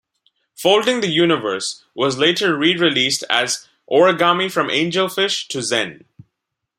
"Folding the Universe" was later re-released as "Origami from Angelfish to Zen".